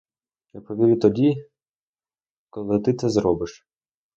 Я повірю тоді, коли ти це зробиш.